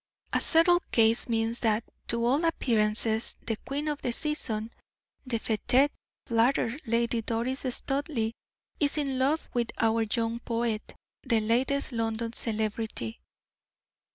"A settled case means that, to all appearances the queen of the season, the feted, flattered Lady Doris Studleigh is in love with our young poet, the latest London celebrity."